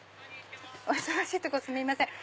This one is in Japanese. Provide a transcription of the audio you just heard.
お忙しいとこすみません。